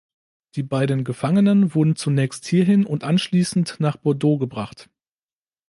Die beiden Gefangenen wurden zunächst hierhin und anschließend nach Bordeaux gebracht.